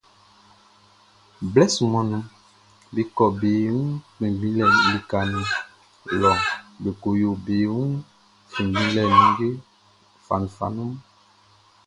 Blɛ sunman nunʼn, be kɔ be wun kpinngbinlɛ likaʼn nun lɔ be ko yo be wun kpinngbinlɛ nin ninnge fanunfanun.